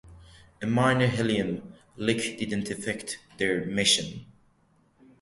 A minor helium leak did not affect their mission.